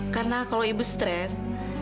karena kalau ibu stres